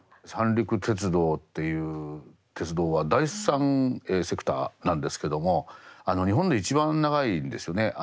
三陸鉄道っていう鉄道は第三セクターなんですけども日本で一番長いんですよね。